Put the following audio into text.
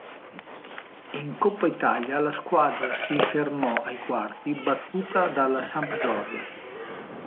In Coppa Italia la squadra si fermò ai quarti, battuta dalla Sampdoria.